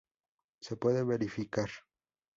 Se puede verificar.